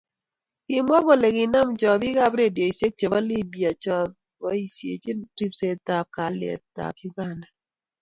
Kimwa kole kinam chobikab rediosiek chebo Libya cheboisiechinin ripsetab kalyetab Uganda